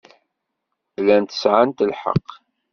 Llant sɛant lḥeqq.